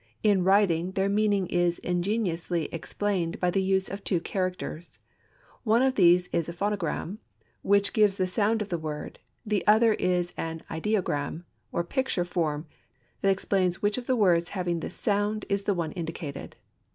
In writing, their meaning is ingeniously explained by the use of two characters. One of these is a phonogram, which gives the sound of the word; the other is an ideogram or picture form, that explains which of the words having this sound is the one indicated.